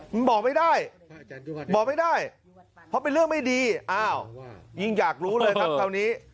มันบอกไม่ได้บอกไม่ได้เพราะเป็นเรื่องไม่ดีอ้าวยิ่งอยากรู้เลยครับคราวนี้